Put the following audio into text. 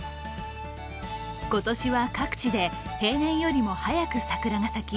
今年は各地で平年よりも早く桜が咲き